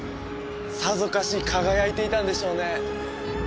さぞかし輝いていたんでしょうね